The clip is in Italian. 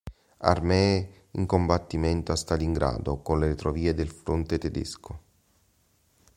Armee in combattimento a Stalingrado con le retrovie del fronte tedesco.